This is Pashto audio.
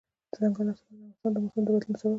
دځنګل حاصلات د افغانستان د موسم د بدلون سبب کېږي.